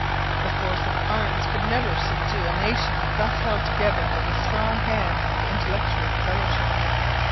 The force of arms could never subdue a nation thus held together by the strong hands of intellectual fellowship.